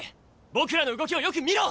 僕らの動きをよく見ろ！